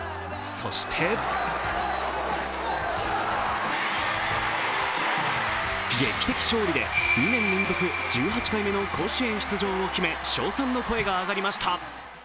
そして劇的勝利で２年連続１８回目の甲子園出場を決め、称賛の声が上がりました。